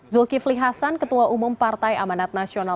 zulkifli hasan ketua umum partai amanat nasional